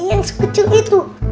yang sekecil itu